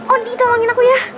ondi tolongin aku ya